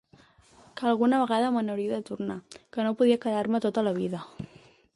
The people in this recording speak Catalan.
Que alguna vegada me n'hauria de tornar, que no podria quedar-me tota la vida.